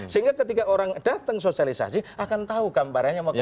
sehingga ketika orang datang sosialisasi akan tahu gambarannya mau kemana